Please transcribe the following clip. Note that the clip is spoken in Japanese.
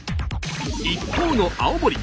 一方の青森。